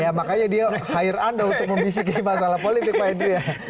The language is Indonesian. ya makanya dia hire anda untuk memisiki masalah politik pak edria